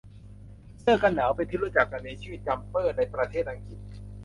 เสื้อกันหนาวเป็นที่รู้จักกันในชื่อ จั๊มเปอร์ ในประเทษอังกฤษ